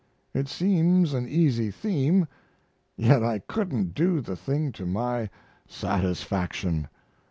It seems an easy theme, yet I couldn't do the thing to my satisfaction.